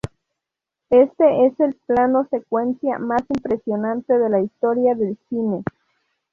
Éste es el plano secuencia más impresionante de la historia del cine.